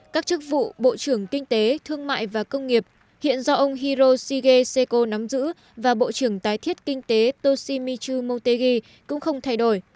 các chức vụ bộ trưởng kinh tế thương mại và công nghiệp hiện do ông hiroshige seiko nắm giữ và bộ trưởng tái thiết kinh tế toshimitru motegi cũng không thay đổi